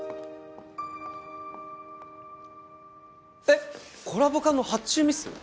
えっコラボ缶の発注ミス？